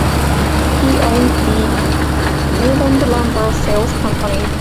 He owned the Ueland Lumber Sales Company.